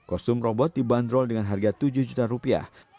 kostum robot dibanderol dengan harga tujuh juta rupiah